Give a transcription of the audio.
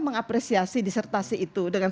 mengapresiasi disertasi itu dengan